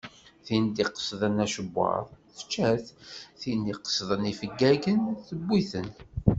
Tin d-iqesden acewwaḍ, tečča-t. Tin d-iqesden ifeggagen, tewwi-ten.